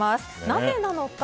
なぜなのか。